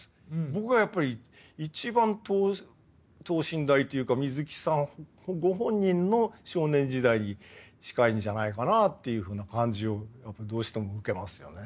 僕がやっぱり一番等身大というか水木さんご本人の少年時代に近いんじゃないかなっていうふうな感じをどうしても受けますよね。